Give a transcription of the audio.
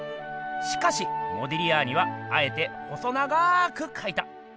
しかしモディリアーニはあえて細長くかいた。